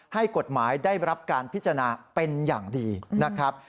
ให้กฎหมายได้รับการพิจารณาเป็นอย่างดีนะครับ